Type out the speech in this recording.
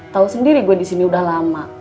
tau sendiri gue disini udah lama